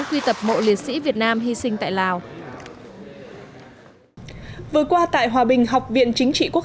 bảo hộ liệt sĩ việt nam hy sinh tại lào vừa qua tại hòa bình học viện chính trị quốc